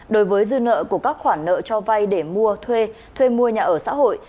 đối với dư nợ của các khoản nợ cho vay để mua thuê thuê mua nhà ở xã hội